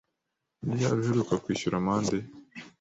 Ni ryari uheruka kwishyura amande?